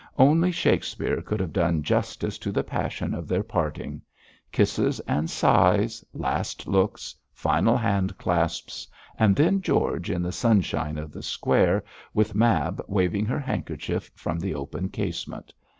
Only Shakespeare could have done justice to the passion of their parting. Kisses and sighs, last looks, final handclasps, and then George in the sunshine of the square, with Mab waving her handkerchief from the open casement.